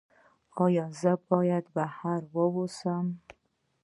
ایا زه باید بهر اوسم؟